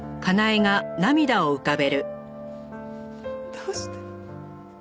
どうして。